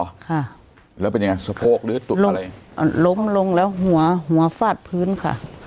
ล้มอย่างเงี้ยหรอค่ะแล้วเป็นยังไงสะโพกหรืออะไรล้มลงแล้วหัวหัวฝาดพื้นค่ะ